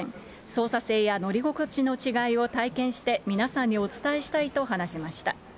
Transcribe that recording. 操作性や乗り心地の違いを体験して、皆さんにお伝えしたいと話しました。